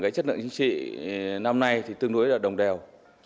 chất lượng chính trị năm nay tương đối đồng đều